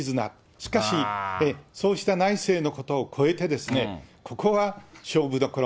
しかし、そうした内政のことを超えて、ここは勝負どころ。